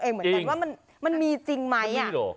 เหมือนกันว่ามันมีจริงไหม